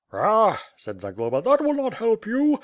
"Ah!" said Zagloba, '*that will not help you.